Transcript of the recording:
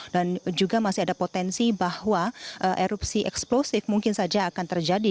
dan juga masih ada potensi bahwa erupsi eksplosif mungkin saja akan terjadi